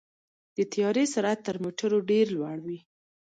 د طیارې سرعت تر موټرو ډېر لوړ وي.